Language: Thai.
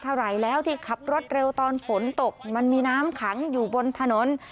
เท่าไหร่แล้วที่ขับรถเร็วตอนฝนตกมันมีน้ำขังอยู่บนถนน